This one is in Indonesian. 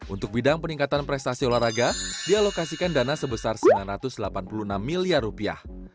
untuk bidang peningkatan prestasi olahraga dialokasikan dana sebesar sembilan ratus delapan puluh enam miliar rupiah